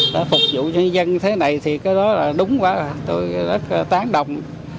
đã phục vụ nhân dân thế này thì cái đó là đúng quá tôi rất tán đồng